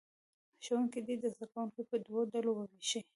ښوونکي دې زه کوونکي په دوو ډلو ووېشي.